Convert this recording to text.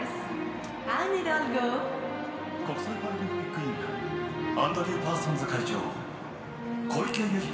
国際パラリンピック委員会アンドリュー・パーソンズ会長小池百合子